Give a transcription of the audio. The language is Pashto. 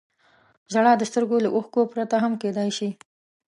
• ژړا د سترګو له اوښکو پرته هم کېدای شي.